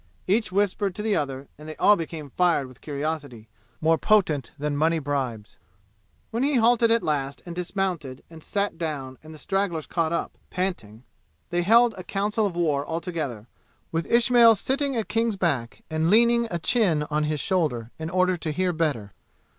Each whispered to the other, and they all became fired with curiosity more potent than money bribes. When he halted at last and dismounted and sat down and the stragglers caught up, panting, they held a council of war all together, with Ismail sitting at King's back and leaning a chin on his shoulder in order to hear better.